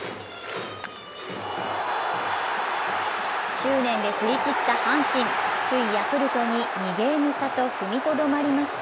執念で振り切った阪神、首位ヤクルトに２ゲーム差と踏みとどまりました。